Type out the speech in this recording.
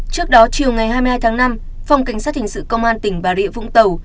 trước đó chiều ngày hai mươi hai tháng năm phòng cảnh sát hình sự công an tỉnh bà rịa vũng tàu